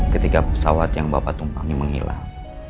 ketika pesawat yang bapak tumpangi menghilang